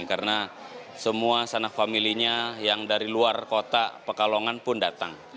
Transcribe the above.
karena semua sanak familinya yang dari luar kota pekalongan pun datang